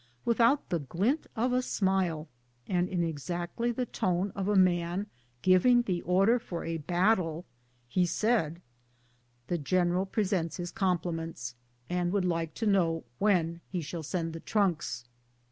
Without the glint of a smile, and in exactly the tone of a man giving the order for a battle, he said, " The general presents his compli ments, and would like to know when he shall send the trunks?"